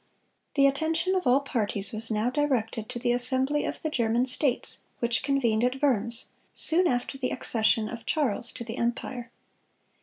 (198) The attention of all parties was now directed to the assembly of the German states which convened at Worms soon after the accession of Charles to the empire.